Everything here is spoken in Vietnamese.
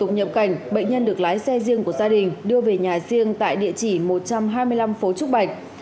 nhập cảnh bệnh nhân được lái xe riêng của gia đình đưa về nhà riêng tại địa chỉ một trăm hai mươi năm phố trúc bạch